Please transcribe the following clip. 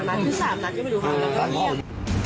หลังเกิดเหตุนำรวจชุดสืบสวน